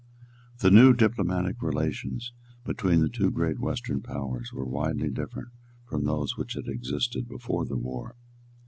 The new diplomatic relations between the two great western powers were widely different from those which had existed before the war.